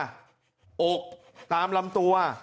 อกตามลำตัว